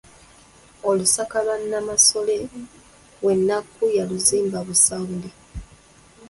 Olusaka lwa Nnamasole we Nnakku yaluzimba Busawuli.